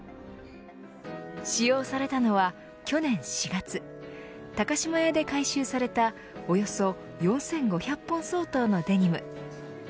使用されたのは去年４月高島屋で回収されたおよそ４５００本相当のデニム。